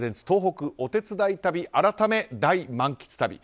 東北お手伝い旅改め大満喫旅。